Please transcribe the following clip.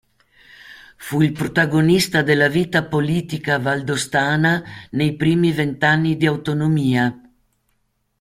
Fu il protagonista della vita politica valdostana nei primi vent'anni di autonomia.